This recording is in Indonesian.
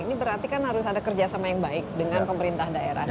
ini berarti kan harus ada kerjasama yang baik dengan pemerintah daerah